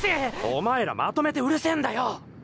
お前らまとめてうるせえんだよ。